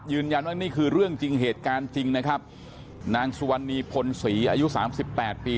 นี่คือเรื่องจริงเหตุการณ์จริงนะครับนางสุวรรณีพลศรีอายุสามสิบแปดปี